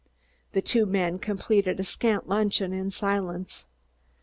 The two men completed a scant luncheon in silence.